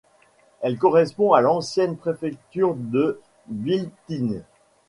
Elle correspond à l'ancienne préfecture de Biltine.